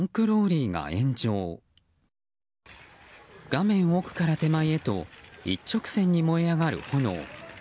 画面奥から手前へと一直線に燃え上がる炎。